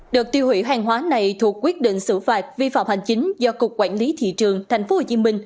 đợt tiêu hủy hàng hóa này thuộc quyết định xử phạt vi phạm hành chính do cục quản lý thị trường tp hcm